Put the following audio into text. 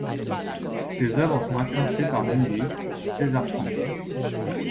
Ses œuvres sont influencées par d'Indy, César Franck.